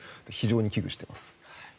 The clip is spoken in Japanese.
非常に危惧しています。